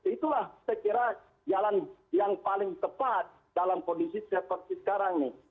itulah saya kira jalan yang paling tepat dalam kondisi seperti sekarang ini